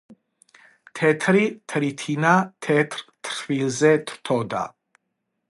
თეთრი თრითინა თეთრ თრთვილზე, თრთოდა